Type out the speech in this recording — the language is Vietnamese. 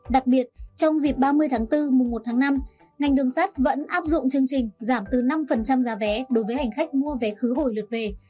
đặc biệt trong dịp ba mươi tháng bốn mùa một tháng năm ngành đường sắt vẫn áp dụng chương trình giảm từ năm giá vé đối với hành khách mua vé khứ hồi lượt về